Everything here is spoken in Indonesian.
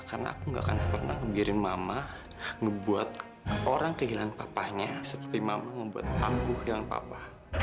karena aku gak akan pernah biarin mama ngebuat orang kehilangan papanya seperti mama ngebuat aku kehilangan papa